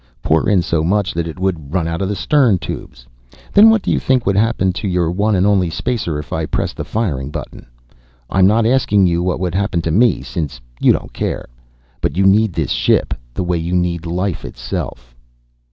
Pour in so much that it would run out of the stern tubes. Then what do you think would happen to your one and only spacer if I pressed the firing button? I'm not asking you what would happen to me, since you don't care but you need this ship the way you need life itself."